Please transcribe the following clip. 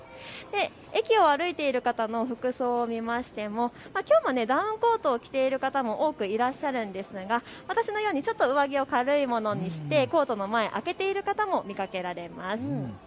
駅を歩いている方の服装を見ましてもきょうもダウンコートを着ている方も多くいらっしゃるんですが私のように上着を軽いものにしてコートの前を開けている方も見られます。